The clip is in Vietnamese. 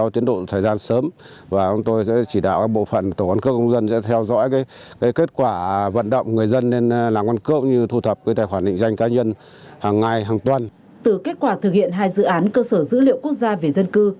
từ kết quả thực hiện hai dự án cơ sở dữ liệu quốc gia về dân cư